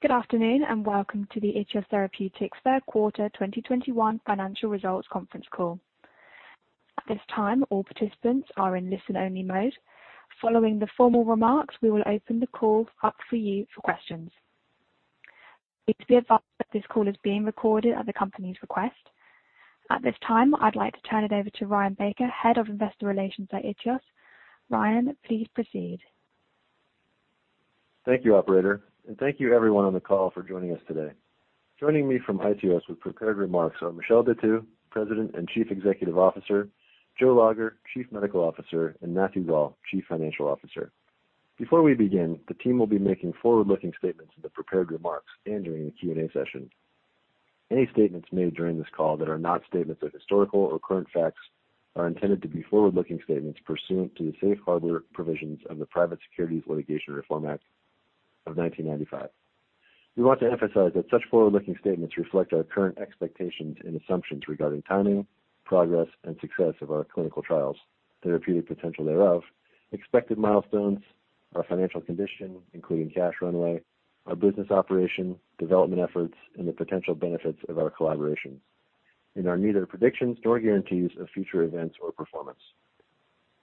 Good afternoon, and welcome to the iTeos Therapeutics Third Quarter 2021 Financial Results Conference Call. At this time, all participants are in listen-only mode. Following the formal remarks, we will open the call up for you for questions. Please be advised that this call is being recorded at the company's request. At this time, I'd like to turn it over to Ryan Baker, Head of Investor Relations at iTeos. Ryan, please proceed. Thank you, operator, and thank you everyone on the call for joining us today. Joining me from iTeos with prepared remarks are Michel Detheux, President and Chief Executive Officer, Jo Lager, Chief Medical Officer, and Matthew Gall, Chief Financial Officer. Before we begin, the team will be making forward-looking statements in the prepared remarks and during the Q&A session. Any statements made during this call that are not statements of historical or current facts are intended to be forward-looking statements pursuant to the Safe Harbor provisions of the Private Securities Litigation Reform Act of 1995. We want to emphasize that such forward-looking statements reflect our current expectations and assumptions regarding timing, progress, and success of our clinical trials, therapeutic potential thereof, expected milestones, our financial condition, including cash runway, our business operation, development efforts, and the potential benefits of our collaborations, and are neither predictions nor guarantees of future events or performance.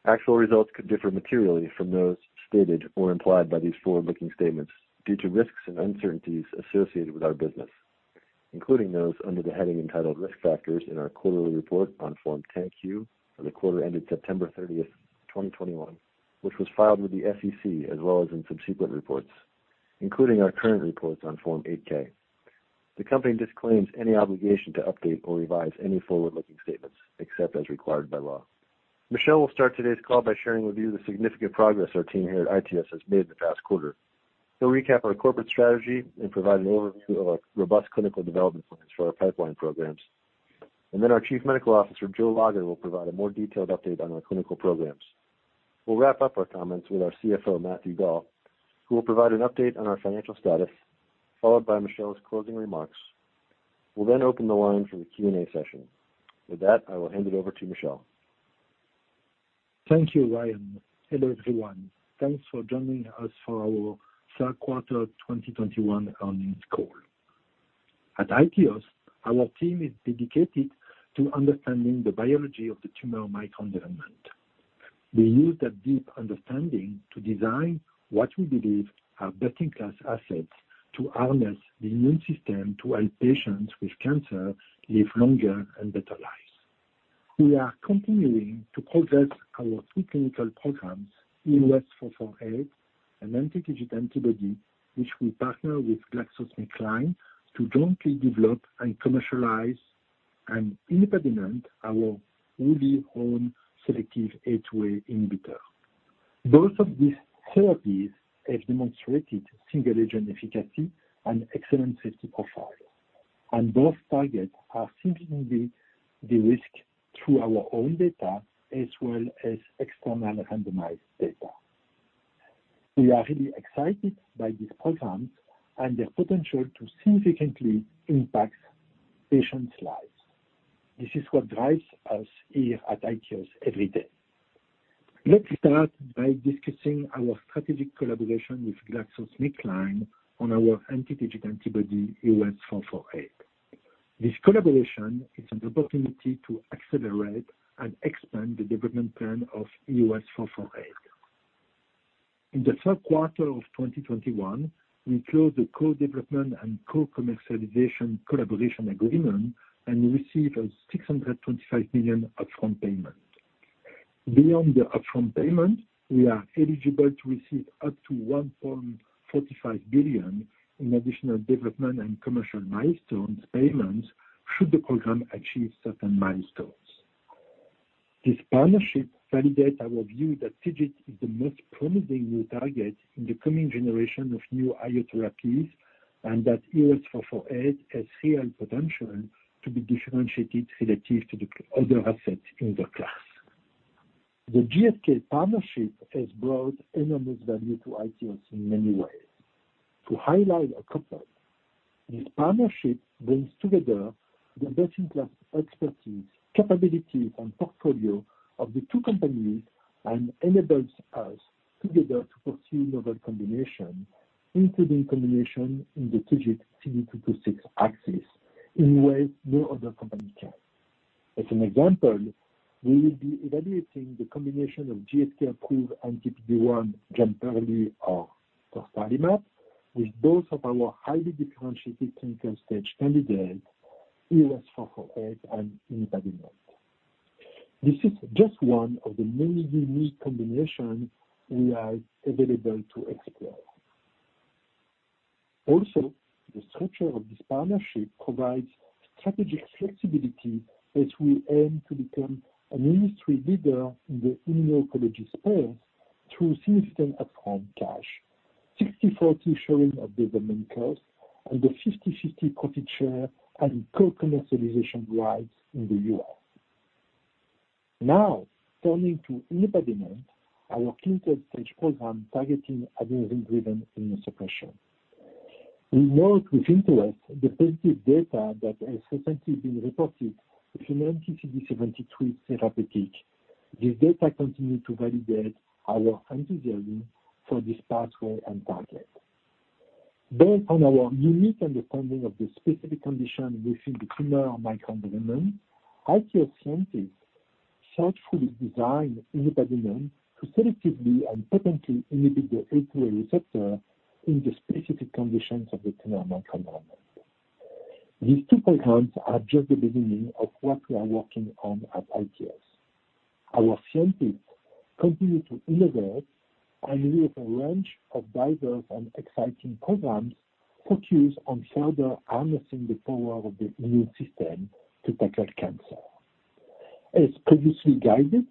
Actual results could differ materially from those stated or implied by these forward-looking statements due to risks and uncertainties associated with our business, including those under the heading entitled Risk Factors in our quarterly report on Form 10-Q for the quarter ended September 30th, 2021, which was filed with the SEC, as well as in subsequent reports, including our current reports on Form 8-K. The company disclaims any obligation to update or revise any forward-looking statements except as required by law. Michel will start today's call by sharing with you the significant progress our team here at iTeos has made in the past quarter. He'll recap our corporate strategy and provide an overview of our robust clinical development plans for our pipeline programs, and then our Chief Medical Officer, Jo Lager, will provide a more detailed update on our clinical programs. We'll wrap up our comments with our CFO, Matthew Gall, who will provide an update on our financial status, followed by Michel's closing remarks. We'll then open the line for the Q&A session. With that, I will hand it over to Michel. Thank you, Ryan. Hello, everyone. Thanks for joining us for our third quarter 2021 earnings call. At iTeos, our team is dedicated to understanding the biology of the tumor microenvironment. We use that deep understanding to design what we believe are best-in-class assets to harness the immune system to help patients with cancer live longer and better lives. We are continuing to covert our preclinical programs, EOS-448, an anti-TIGIT antibody, which we partner with GlaxoSmithKline to jointly develop and commercialize, and inupadenant, our fully owned selective A2A inhibitor. Both of these therapies have demonstrated single-agent efficacy and excellent safety profile, and both targets have significantly de-risked through our own data as well as external randomized data. We are really excited by these programs and their potential to significantly impact patients' lives. This is what drives us here at iTeos every day. Let's start by discussing our strategic collaboration with GlaxoSmithKline on our anti-TIGIT antibody, EOS-448. This collaboration is an opportunity to accelerate and expand the development plan of EOS-448. In the third quarter of 2021, we closed the co-development and co-commercialization collaboration agreement and received a $625 million upfront payment. Beyond the upfront payment, we are eligible to receive up to $1.45 billion in additional development and commercial milestones payments should the program achieve certain milestones. This partnership validates our view that TIGIT is the most promising new target in the coming generation of new IO therapies, and that EOS-448 has real potential to be differentiated relative to the other assets in the class. The GSK partnership has brought enormous value to iTeos in many ways. To highlight a couple, this partnership brings together the best-in-class expertise, capabilities, and portfolio of the two companies and enables us together to pursue novel combinations, including combination in the TIGIT/CD226 axis, in ways no other company can. As an example, we will be evaluating the combination of GSK-approved anti-PD-1 Jemperli or dostarlimab, with both of our highly differentiated clinical-stage candidates, EOS-448 and inupadenant. This is just one of the many unique combinations we are available to explore. Also, the structure of this partnership provides strategic flexibility as we aim to become an industry leader in the immuno-oncology space through significant upfront cash, 60/40 sharing of development costs, and a 50/50 profit share and co-commercialization rights in the U.S. Now, turning to inupadenant, our clinical-stage program targeting adenosine-driven immunosuppression. We note with interest the positive data that has recently been reported with an anti-CD73 therapeutic. This data continue to validate our enthusiasm for this pathway and target. Based on our unique understanding of the specific condition within the tumor microenvironment, iTeos scientists thoughtfully designed inupadenant to selectively and potently inhibit the A2A receptor in the specific conditions of the tumor microenvironment. These two programs are just the beginning of what we are working on at iTeos. Our scientists continue to innovate, with a range of diverse and exciting programs focused on further harnessing the power of the immune system to tackle cancer. As previously guided,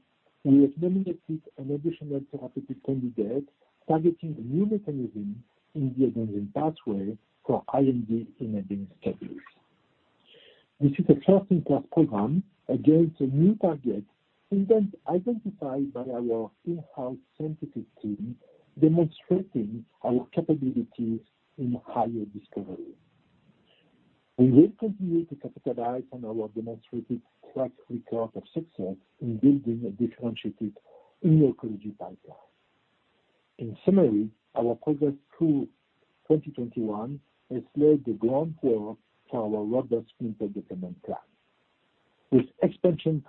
we have nominated an additional therapeutic candidate targeting a new mechanism in the adenosine pathway for IND-enabling studies. This is a first-in-class program against a new target identified by our in-house scientific team, demonstrating our capabilities in higher discovery. We will continue to capitalize on our demonstrated track record of success in building a differentiated immunology pipeline. In summary, our progress through 2021 has laid the groundwork for our robust inupadenant plan. With expansions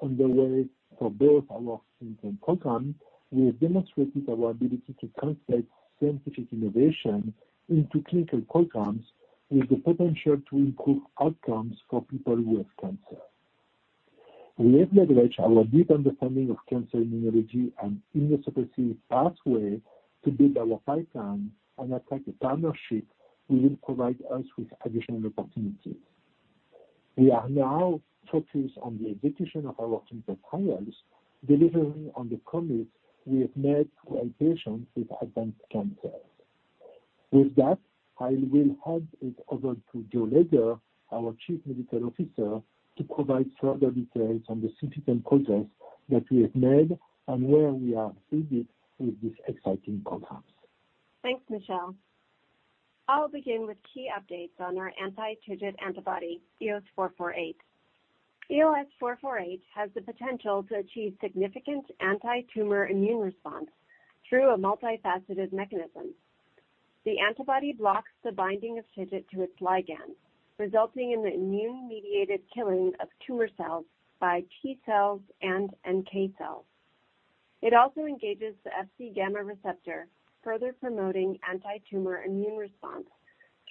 underway for both our clinical programs, we have demonstrated our ability to translate scientific innovation into clinical programs with the potential to improve outcomes for people with cancer. We have leveraged our deep understanding of cancer immunology and immunosuppressive pathways to build our pipeline and attract a partnership that will provide us with additional opportunities. We are now focused on the execution of our clinical trials, delivering on the commitments we have made to our patients with advanced cancer. With that, I will hand it over to Jo Lager, our Chief Medical Officer, to provide further details on the significant progress that we have made and where we are headed with these exciting programs. Thanks, Michel. I'll begin with key updates on our anti-TIGIT antibody, EOS-448. EOS-448 has the potential to achieve significant antitumor immune response through a multifaceted mechanism. The antibody blocks the binding of TIGIT to its ligand, resulting in the immune-mediated killing of tumor cells by T cells and NK cells. It also engages the Fc gamma receptor, further promoting antitumor immune response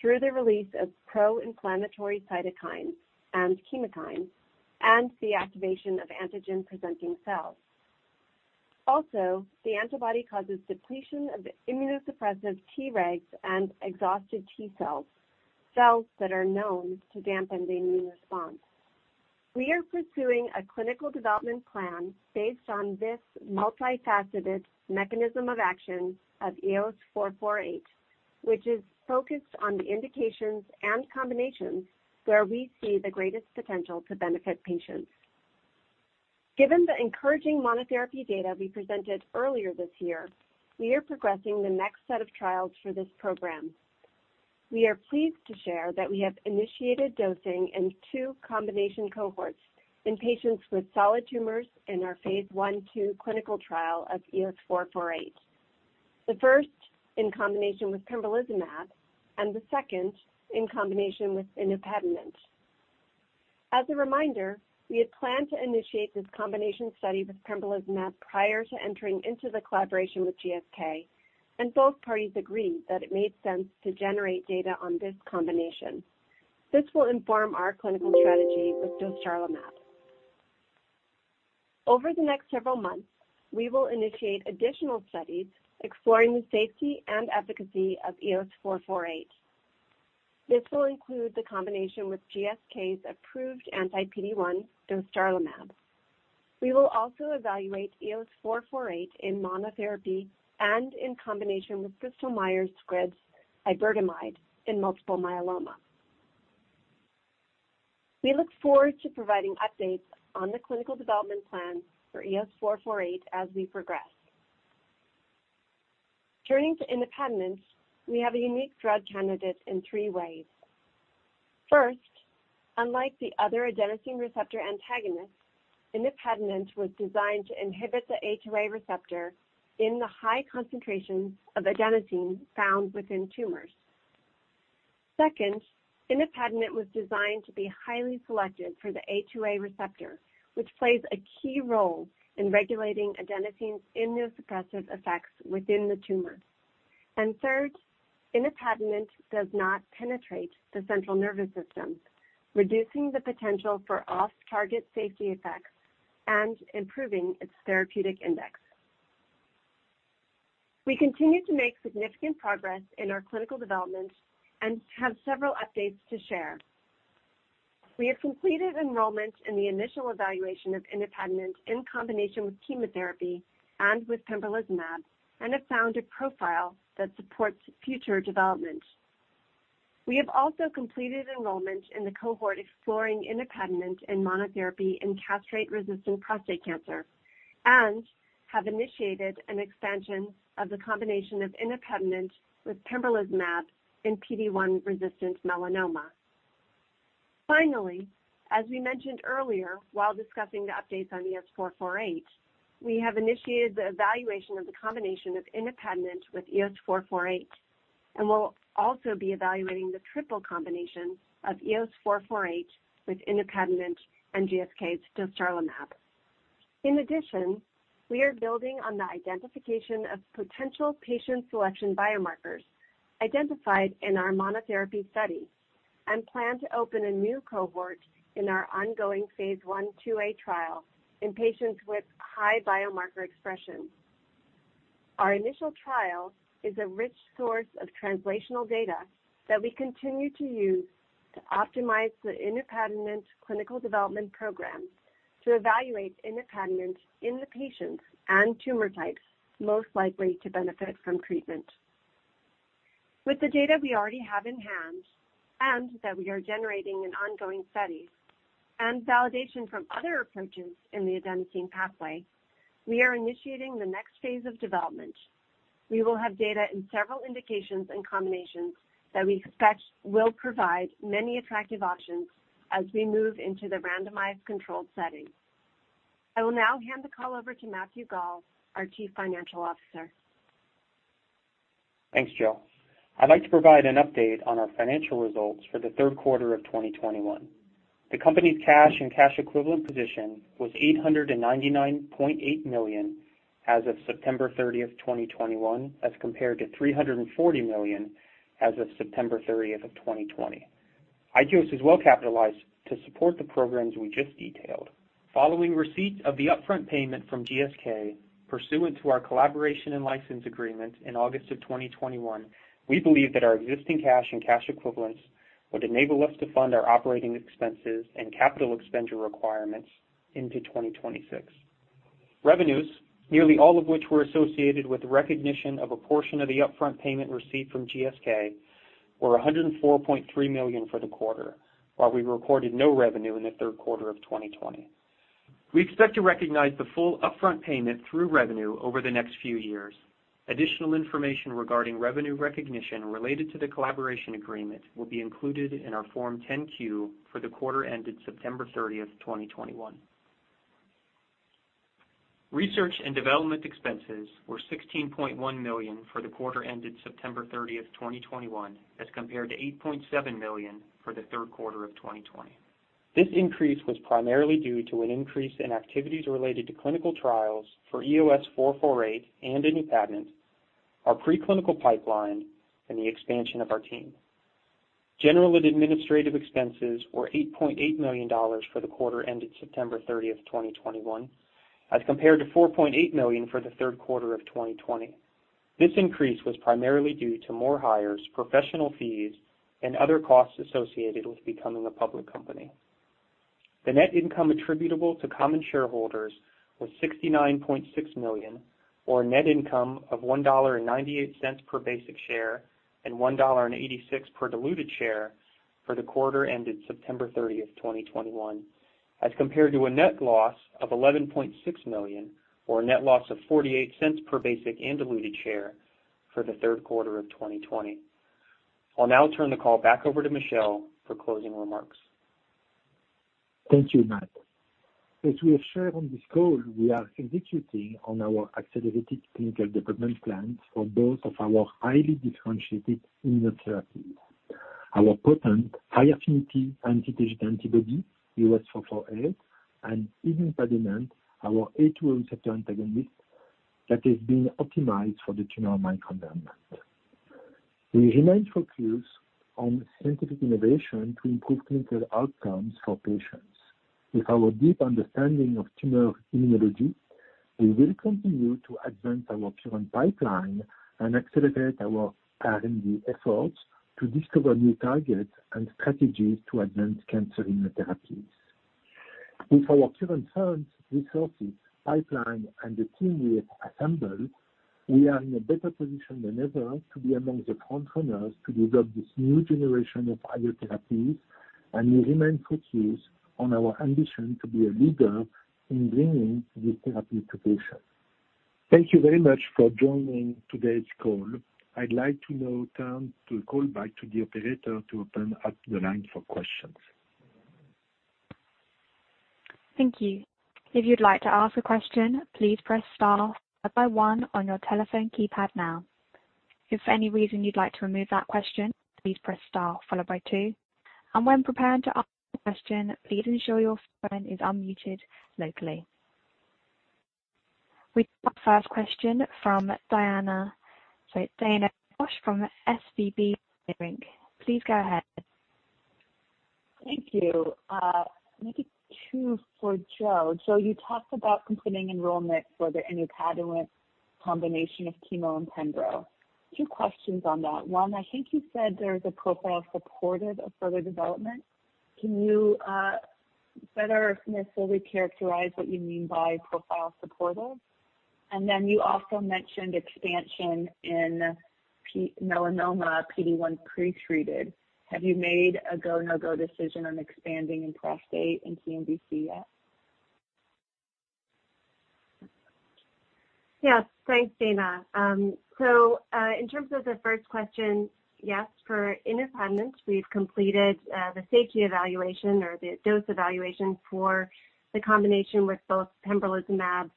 through the release of pro-inflammatory cytokines and chemokines, and the activation of antigen-presenting cells. Also, the antibody causes depletion of immunosuppressive Tregs and exhausted T cells that are known to dampen the immune response. We are pursuing a clinical development plan based on this multifaceted mechanism of action of EOS-448, which is focused on the indications and combinations where we see the greatest potential to benefit patients. Given the encouraging monotherapy data we presented earlier this year, we are progressing the next set of trials for this program. We are pleased to share that we have initiated dosing in two combination cohorts in patients with solid tumors in our phase I-II clinical trial of EOS-448. The first in combination with pembrolizumab, and the second in combination with inupadenant. As a reminder, we had planned to initiate this combination study with pembrolizumab prior to entering into the collaboration with GSK, and both parties agreed that it made sense to generate data on this combination. This will inform our clinical strategy with dostarlimab. Over the next several months, we will initiate additional studies exploring the safety and efficacy of EOS-448. This will include the combination with GSK's approved anti-PD-1, dostarlimab. We will also evaluate EOS-448 in monotherapy and in combination with Bristol-Myers Squibb's iberdomide in multiple myeloma. We look forward to providing updates on the clinical development plan for EOS-448 as we progress. Turning to inupadenant, we have a unique drug candidate in three ways. First, unlike the other adenosine receptor antagonists, inupadenant was designed to inhibit the A2A receptor in the high concentrations of adenosine found within tumors. Second, inupadenant was designed to be highly selective for the A2A receptor, which plays a key role in regulating adenosine's immunosuppressive effects within the tumor. Third, inupadenant does not penetrate the central nervous system, reducing the potential for off-target safety effects and improving its therapeutic index. We continue to make significant progress in our clinical development and have several updates to share. We have completed enrollment in the initial evaluation of inupadenant in combination with chemotherapy and with pembrolizumab, and have found a profile that supports future development. We have also completed enrollment in the cohort exploring inupadenant and monotherapy in castrate-resistant prostate cancer, and have initiated an expansion of the combination of inupadenant with pembrolizumab in PD-1 resistant melanoma. Finally, as we mentioned earlier, while discussing the updates on EOS-448, we have initiated the evaluation of the combination of inupadenant with EOS-448, and we'll also be evaluating the triple combination of EOS-448 with inupadenant and GSK's dostarlimab. In addition, we are building on the identification of potential patient selection biomarkers identified in our monotherapy study and plan to open a new cohort in our ongoing phase I/II-A trial in patients with high biomarker expression. Our initial trial is a rich source of translational data that we continue to use to optimize the inupadenant clinical development program to evaluate inupadenant in the patients and tumor types most likely to benefit from treatment. With the data we already have in hand and that we are generating in ongoing studies and validation from other approaches in the adenosine pathway, we are initiating the next phase of development. We will have data in several indications and combinations that we expect will provide many attractive options as we move into the randomized controlled setting. I will now hand the call over to Matthew Gall, our Chief Financial Officer. Thanks, Jo. I'd like to provide an update on our financial results for the third quarter of 2021. The company's cash and cash equivalent position was $899.8 million as of September 30th, 2021, as compared to $340 million as of September 30th of 2020. iTeos is well capitalized to support the programs we just detailed. Following receipt of the upfront payment from GSK pursuant to our collaboration and license agreement in August of 2021, we believe that our existing cash and cash equivalents would enable us to fund our operating expenses and capital expenditure requirements into 2026. Revenues, nearly all of which were associated with recognition of a portion of the upfront payment received from GSK, were $104.3 million for the quarter, while we recorded no revenue in the third quarter of 2020. We expect to recognize the full upfront payment through revenue over the next few years. Additional information regarding revenue recognition related to the collaboration agreement will be included in our Form 10-Q for the quarter ended September 30th, 2021. Research and development expenses were $16.1 million for the quarter ended September 30th, 2021, as compared to $8.7 million for the third quarter of 2020. This increase was primarily due to an increase in activities related to clinical trials for EOS-448 and inupadenant, our preclinical pipeline, and the expansion of our team. General and administrative expenses were $8.8 million for the quarter ended September 30th, 2021, as compared to $4.8 million for the third quarter of 2020. This increase was primarily due to more hires, professional fees, and other costs associated with becoming a public company. The net income attributable to common shareholders was $69.6 million or a net income of $1.98 per basic share, and $1.86 per diluted share for the quarter ended September 30th, 2021, as compared to a net loss of $11.6 million or a net loss of $0.48 per basic and diluted share for the third quarter of 2020. I'll now turn the call back over to Michel for closing remarks. Thank you, Matt. As we have shared on this call, we are executing on our accelerated clinical development plans for both of our highly differentiated immunotherapies. Our potent high-affinity anti-TIGIT antibody, EOS-448, and inupadenant, our A2A receptor antagonist that is being optimized for the tumor microenvironment. We remain focused on scientific innovation to improve clinical outcomes for patients. With our deep understanding of tumor immunology, we will continue to advance our current pipeline and accelerate our R&D efforts to discover new targets and strategies to advance cancer immunotherapies. With our current funds, resources, pipeline, and the team we have assembled, we are in a better position than ever to be among the front runners to develop this new generation of IO therapies, and we remain focused on our ambition to be a leader in bringing these therapies to patients. Thank you very much for joining today's call. I'd like to now turn the call back to the operator to open up the line for questions. We have our first question from Daina. Sorry, Daina Graybosch from SVB Leerink. Please go ahead. Thank you. Maybe two for Jo. Jo, you talked about completing enrollment for the inupadenant combination of chemo and pembro. Two questions on that. One, I think you said there is a profile supportive of further development. Can you better characterize what you mean by profile supportive? And then you also mentioned expansion in melanoma PD-1 pretreated. Have you made a go, no-go decision on expanding in prostate and TNBC yet? Yes. Thanks, Daina. In terms of the first question, yes, for inupadenant, we've completed the safety evaluation or the dose evaluation for the combination with both pembrolizumab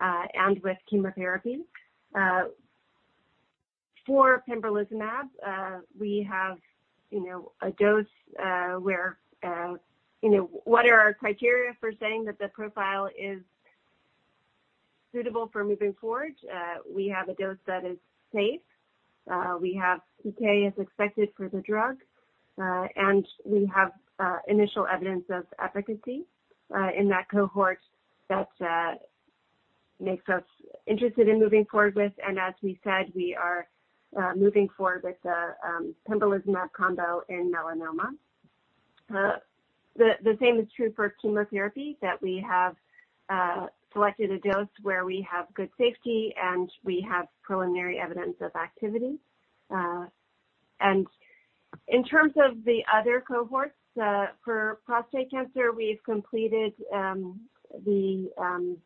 and with chemotherapy. For pembrolizumab, we have a dose where What are our criteria for saying that the profile is suitable for moving forward? We have a dose that is safe. We have PK as expected for the drug, and we have initial evidence of efficacy in that cohort that makes us interested in moving forward with. As we said, we are moving forward with the pembrolizumab combo in melanoma. The same is true for chemotherapy, that we have selected a dose where we have good safety and we have preliminary evidence of activity. In terms of the other cohorts, for prostate cancer, we've completed the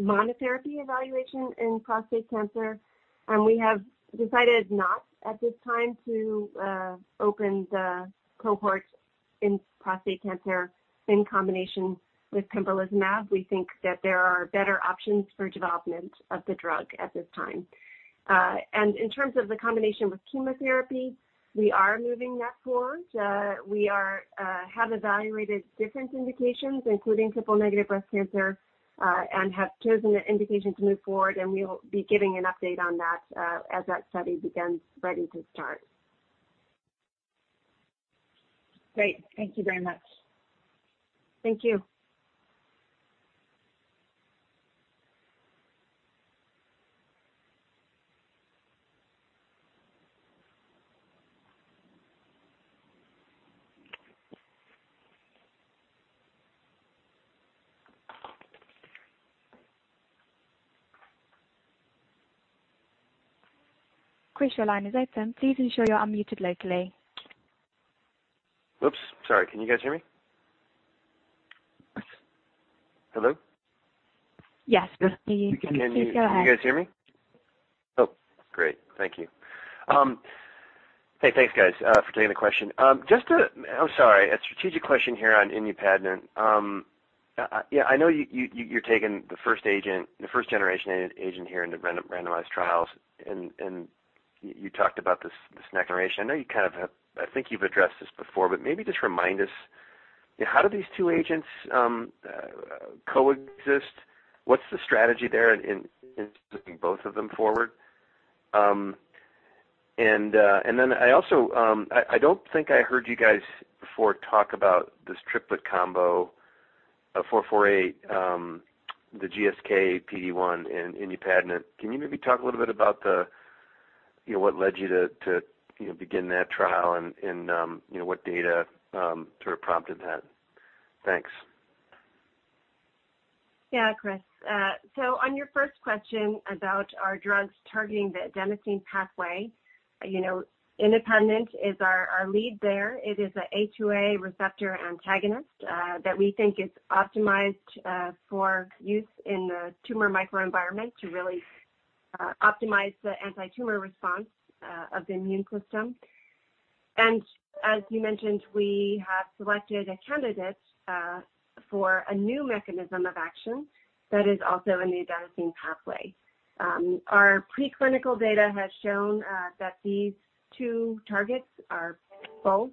monotherapy evaluation in prostate cancer. We have decided not, at this time, to open the cohort in prostate cancer in combination with pembrolizumab. We think that there are better options for development of the drug at this time. In terms of the combination with chemotherapy, we are moving that forward. We have evaluated different indications, including triple-negative breast cancer, and have chosen the indication to move forward, and we will be giving an update on that as that study begins, ready to start. Great. Thank you very much. Thank you. Chris, your line is open. Please ensure you're unmuted locally. Oops, sorry. Can you guys hear me? Hello? Yes. We can. Please go ahead. Can you guys hear me? Oh, great. Thank you. Hey, thanks, guys, for taking the question. I'm sorry, a strategic question here on inupadenant. Yeah, I know you're taking the first agent, the first generation agent here in the randomized trials, and you talked about this generation. I know you kind of have. I think you've addressed this before, but maybe just remind us, how do these two agents coexist? What's the strategy there in taking both of them forward? And then I also don't think I heard you guys before talk about this triplet combo of 448, the GSK PD-1 and inupadenant. Can you maybe talk a little bit about the, you know, what led you to, you know, begin that trial and, you know, what data, sort of prompted that? Thanks. Yeah, Chris. On your first question about our drugs targeting the adenosine pathway, you know, inupadenant is our lead there. It is a A2A receptor antagonist that we think is optimized for use in the tumor microenvironment to really optimize the antitumor response of the immune system. As you mentioned, we have selected a candidate for a new mechanism of action that is also in the adenosine pathway. Our preclinical data has shown that these two targets are both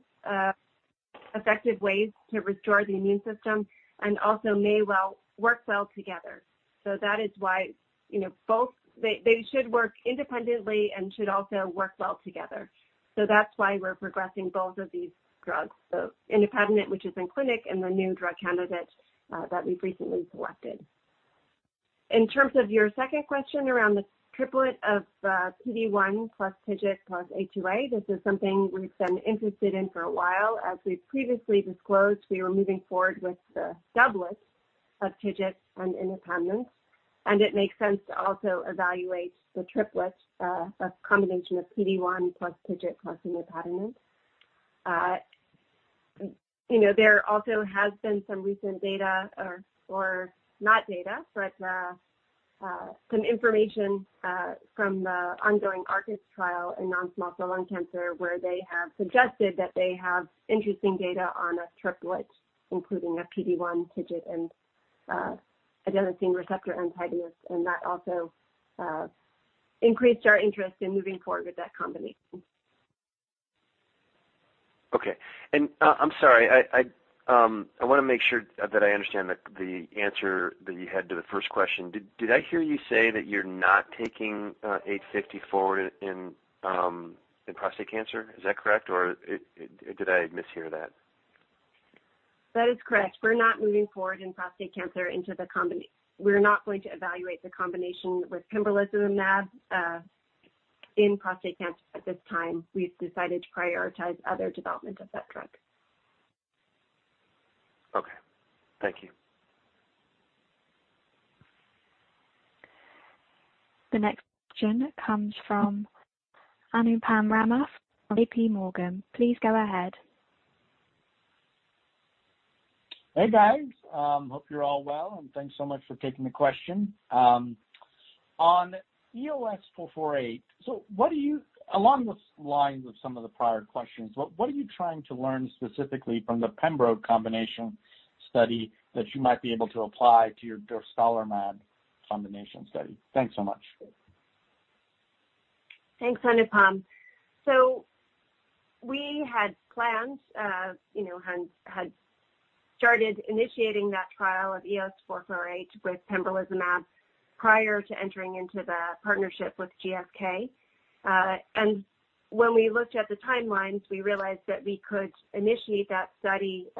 effective ways to restore the immune system and also may well work well together. That is why, you know, they should work independently and should also work well together. That's why we're progressing both of these drugs, inupadenant, which is in clinic, and the new drug candidate that we've recently selected. In terms of your second question around the triplet of PD-1 plus TIGIT plus A2A, this is something we've been interested in for a while. As we've previously disclosed, we were moving forward with the doublet of TIGIT and inupadenant, and it makes sense to also evaluate the triplet, a combination of PD-1 plus TIGIT plus inupadenant. You know, there also has been some recent information from the ongoing ARTisT trial in non-small cell lung cancer, where they have suggested that they have interesting data on a triplet, including a PD-1, TIGIT and adenosine receptor antagonist, and that also increased our interest in moving forward with that combination. Okay. I'm sorry, I wanna make sure that I understand the answer that you had to the first question. Did I hear you say that you're not taking 854 in prostate cancer? Is that correct, or did I mishear that? That is correct. We're not moving forward in prostate cancer. We're not going to evaluate the combination with pembrolizumab in prostate cancer at this time. We've decided to prioritize other development of that drug. Okay. Thank you. The next question comes from Anupam Rama of JPMorgan. Please go ahead. Hey guys, hope you're all well, and thanks so much for taking the question. On EOS-448, what are you trying to learn specifically from the pembro combination study that you might be able to apply to your dostarlimab combination study? Thanks so much. Thanks, Anupam. We had planned, you know, had started initiating that trial of EOS-448 with pembrolizumab prior to entering into the partnership with GSK. When we looked at the timelines, we realized that we could initiate that study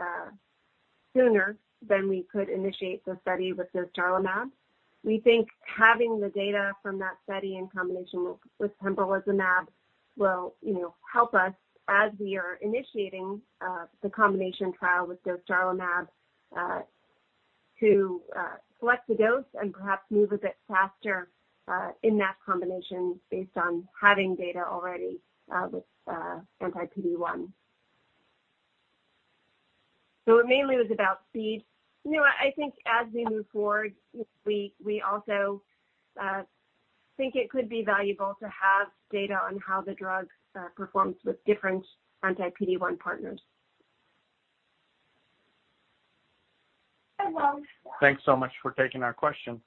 sooner than we could initiate the study with dostarlimab. We think having the data from that study in combination with pembrolizumab will, you know, help us as we are initiating the combination trial with dostarlimab to select the dose and perhaps move a bit faster in that combination based on having data already with anti-PD-1. It mainly was about speed. You know what? I think as we move forward, we also think it could be valuable to have data on how the drug performs with different anti-PD-1 partners. Thanks so much for taking our question.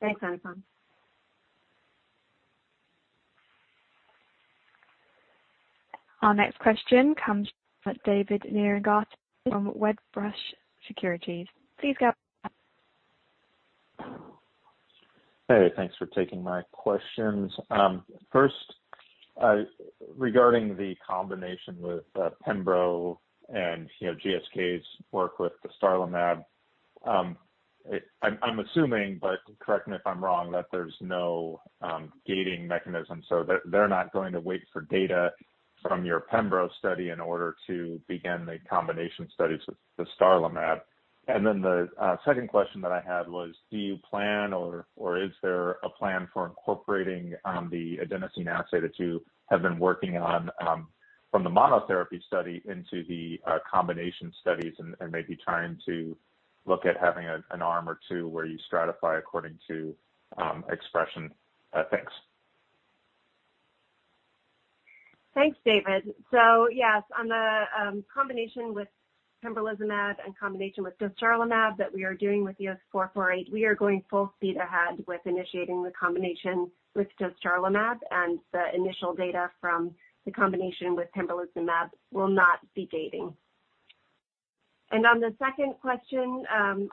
Thanks, Anupam. Our next question comes from David Nierengarten from Wedbush Securities. Please go. Hey, thanks for taking my questions. First, regarding the combination with pembro and, you know, GSK's work with dostarlimab. I'm assuming, but correct me if I'm wrong, that there's no gating mechanism, so they're not going to wait for data from your pembro study in order to begin the combination studies with dostarlimab. The second question that I had was, do you plan or is there a plan for incorporating the adenosine assay that you have been working on from the monotherapy study into the combination studies and maybe trying to look at having an arm or two where you stratify according to expression? Thanks. Thanks, David. Yes, on the combination with pembrolizumab and combination with dostarlimab that we are doing with EOS-448, we are going full speed ahead with initiating the combination with dostarlimab, and the initial data from the combination with pembrolizumab will not be gating. On the second question,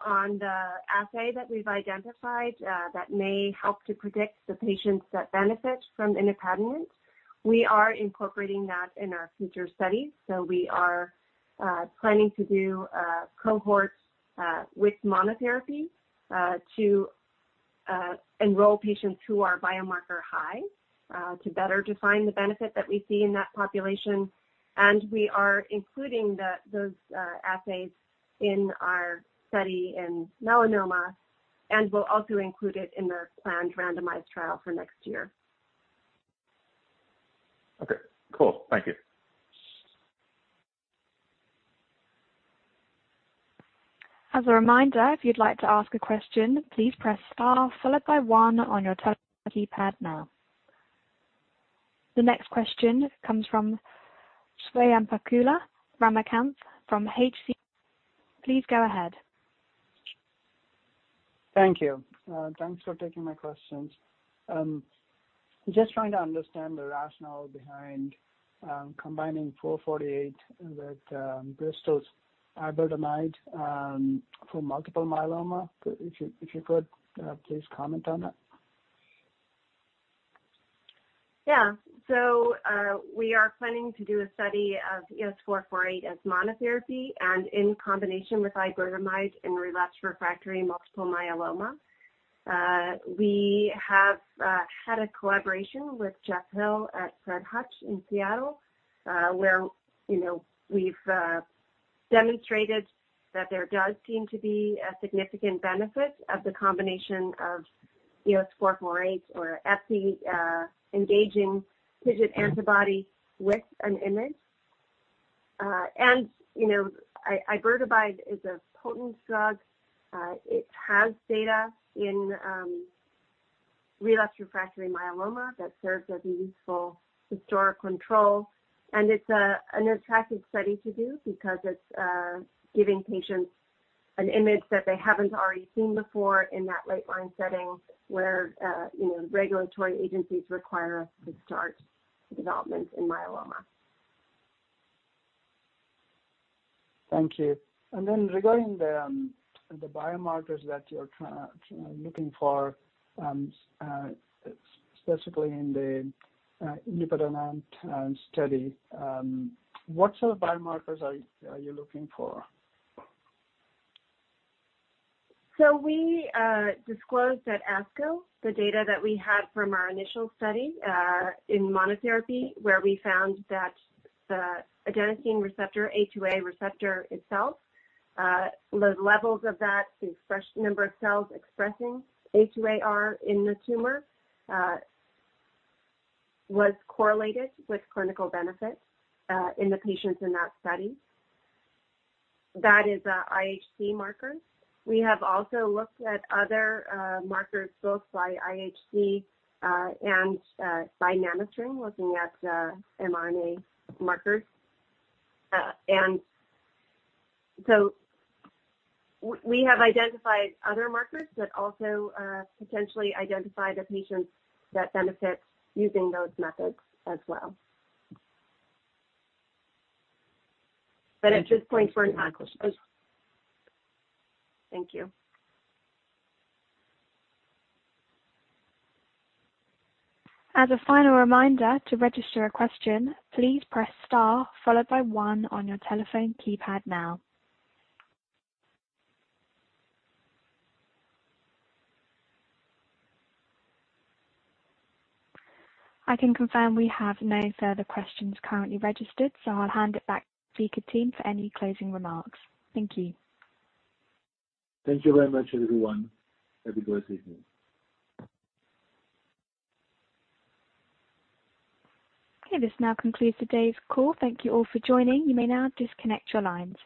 on the assay that we've identified, that may help to predict the patients that benefit from inupadenant, we are incorporating that in our future studies. We are planning to do cohorts with monotherapy to enroll patients who are biomarker-high to better define the benefit that we see in that population. We are including those assays in our study in melanoma and will also include it in the planned randomized trial for next year. Okay, cool. Thank you. As a reminder, if you'd like to ask a question, please press star followed by one on your telephone keypad now. The next question comes from Swayampakula Ramakanth from H.C. Please go ahead. Thank you. Thanks for taking my questions. Just trying to understand the rationale behind combining EOS-448 with Bristol's iberdomide for multiple myeloma. If you could, please comment on that. Yeah. We are planning to do a study of EOS-448 as monotherapy and in combination with iberdomide in relapsed refractory multiple myeloma. We have had a collaboration with Jeff Hill at Fred Hutch in Seattle, where, you know, we've demonstrated that there does seem to be a significant benefit of the combination of EOS-448 or Fc-engaging TIGIT antibody with an IMiD. You know, iberdomide is a potent drug. It has data in relapsed refractory myeloma that serves as a useful historic control, and it's an attractive study to do because it's giving patients an IMiD that they haven't already seen before in that late line setting where, you know, regulatory agencies require us to start development in myeloma. Thank you. Regarding the biomarkers that you're looking for specifically in the inupadenant study, what sort of biomarkers are you looking for? We disclosed at ASCO the data that we had from our initial study in monotherapy, where we found that the adenosine receptor, A2A receptor itself, the levels of that expression number of cells expressing A2AR in the tumor was correlated with clinical benefit in the patients in that study. That is IHC markers. We have also looked at other markers both by IHC and by NanoString, looking at mRNA markers. We have identified other markers that also potentially identify the patients that benefit using those methods as well. At this point we're not- Thank you. Thank you. As a final reminder, to register a question, please press star followed by one on your telephone keypad now. I can confirm we have no further questions currently registered, so I'll hand it back to the iTeos team for any closing remarks. Thank you. Thank you very much, everyone. Have a good evening. Okay, this now concludes today's call. Thank you all for joining. You may now disconnect your lines.